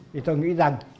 thì tôi nghĩ rằng